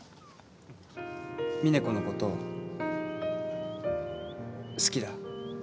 みね子のこと好きだ。